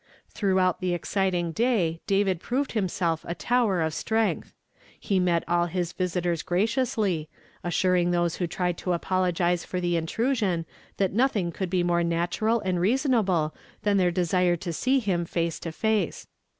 Throughout the exciting day David proved him self a tower of strength. He met all his visitoi s graciously, assuring those vho tried to apologize for the intrusion that nothing could be more nat ural and reasonable than their desire to see him lace to face.